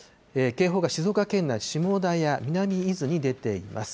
警報が静岡県内、下田や南伊豆に出ています。